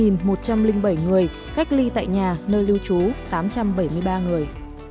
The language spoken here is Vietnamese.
một mươi hai một trăm linh bảy người cách ly tại nhà nơi lưu trú tám trăm bảy mươi ba người